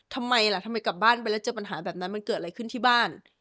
ทำไมล่ะทำไมกลับบ้านไปแล้วเจอปัญหาแบบนั้นมันเกิดอะไรขึ้นที่บ้าน